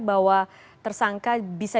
bahwa tersangka bisa